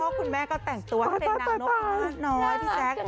พ่อคุณแม่ก็แต่งตัวเป็นนานโอปาร์ตน้อยที่แซค